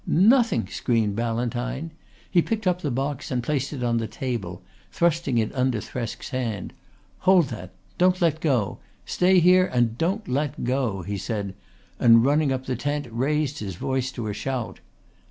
"Nothing!" screamed Ballantyne. He picked up the box and placed it on the table, thrusting it under Thresk's hand. "Hold that! Don't let go! Stay here and don't let go," he said, and running up the tent raised his voice to a shout.